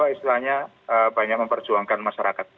istilahnya banyak memperjuangkan masyarakat